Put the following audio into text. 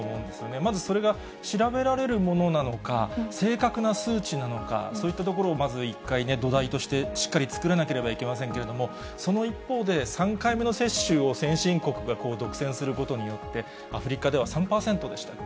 まずそれが調べられるものなのか、正確な数値なのか、そういったところをまず一回、土台としてしっかり作らなければいけませんけども、その一方で、３回目の接種を先進国が独占することによって、アフリカでは３％でしたっけ。